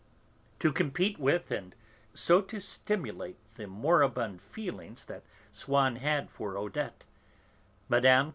To compete with and so to stimulate the moribund feelings that Swann had for Odette, Mme.